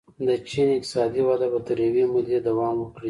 د چین اقتصادي وده به تر یوې مودې دوام وکړي.